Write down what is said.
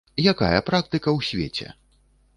Якая практыка ў свеце?